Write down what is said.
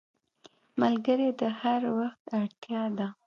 ملګری د هر وخت اړتیا ده